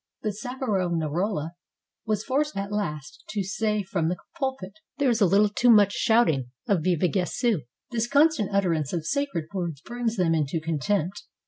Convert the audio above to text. '^ But Savonarola was forced at last to say from the pulpit, "There is a little too much of shouting of * Viva Gesu I ' This constant utterance of sacred words brings them into contempt.